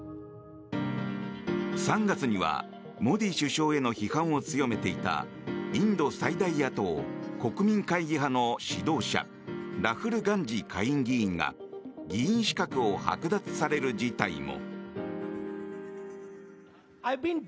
３月にはモディ首相への批判を強めていたインド最大野党・国民会議派の指導者ラフル・ガンジー下院議員が議員資格をはく奪される事態も。